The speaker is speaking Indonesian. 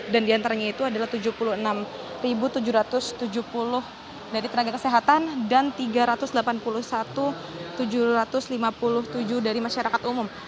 dan di antaranya itu adalah tujuh puluh enam tujuh ratus tujuh puluh dari tenaga kesehatan dan tiga ratus delapan puluh satu tujuh ratus lima puluh tujuh dari masyarakat umum